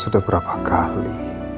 sudah berapa kali